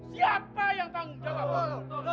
siapa yang tanggung jawab